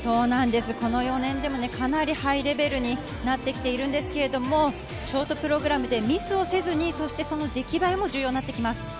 この４年でも、かなりハイレベルになってきているんですけれど、ショートプログラムでミスをせずに、そして出来栄えも重要になってきます。